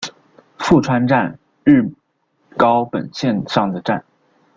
富川站日高本线上的站。